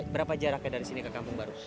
berapa jaraknya dari sini ke kampung baru